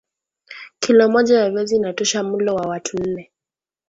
kilo moja ya viazi inatosha mlo wa watu nne